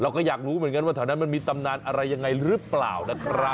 เราก็อยากรู้เหมือนกันว่าแถวนั้นมันมีตำนานอะไรยังไงหรือเปล่านะครับ